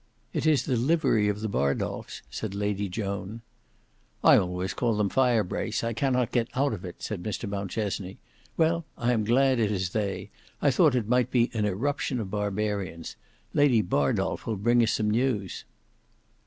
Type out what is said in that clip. "It is the livery of the Bardolfs," said Lady Joan. "I always call them Firebrace; I cannot get out of it," said Mr Mountchesney. "Well, I am glad it is they; I thought it might be an irruption of barbarians. Lady Bardolf will bring us some news."